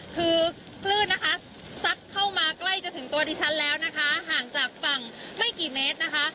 คือคลื่นนะคะซัดเข้ามาใกล้จะถึงตัวดิฉันแล้วนะคะห่างจากฝั่งไม่กี่เมตรนะคะ